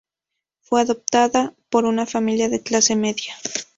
Fue adoptada por una familia de clase media.